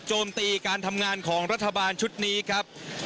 โจมตีการทำงานของรัฐบาลชุดนี้ครับ